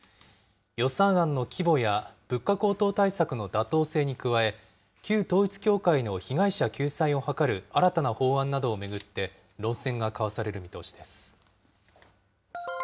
予算案の規模や物価高騰対策の妥当性に加え、旧統一教会の被害者救済を図る新たな法案などを巡って、論戦が交わされる見通しです。